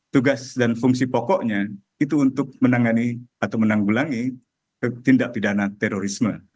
tugas dan fungsi pokoknya itu untuk menangani atau menanggulangi tindak pidana terorisme